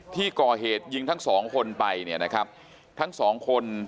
ที่ก่อเหตุยิงทั้งสองคนไปเนี่ยนะครับทั้งสองคน